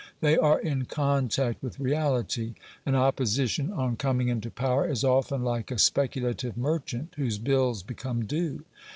They are in contact with reality. An Opposition, on coming into power, is often like a speculative merchant whose bills become due.